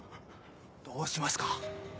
どうしますか？